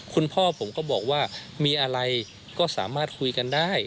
คุณพ่อผมก็บอกว่ามีอะไรก็สามารถคุยกันได้